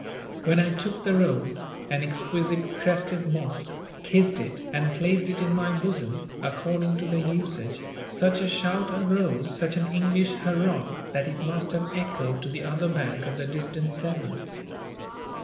When I took the rose, an exquisite crested moss, kissed it and placed it in my bosom, according to the usage, such a shout arose, such an English hurrah, that it must have echoed to the other bank of the distant Severn.